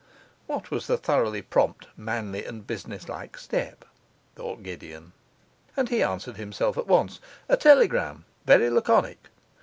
What was the thoroughly prompt, manly, and businesslike step? thought Gideon; and he answered himself at once: 'A telegram, very laconic.